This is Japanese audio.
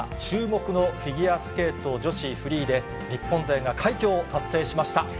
注目のフィギュアスケート女子フリーで、日本勢が快挙を達成しました。